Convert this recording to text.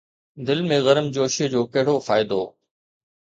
دل ۾ گرمجوشيءَ جو ڪهڙو فائدو؟